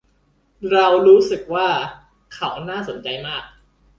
เรารู้สึกว่าเขาน่าสนใจมาก